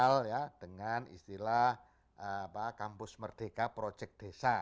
sekarang kita kenal ya dengan istilah kampus merdeka projek desa